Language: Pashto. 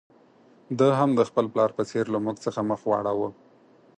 ده هم د خپل پلار په څېر له موږ څخه مخ واړاوه.